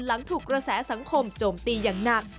หลังถูกกระแสสังคมโจมตีอย่างหนัก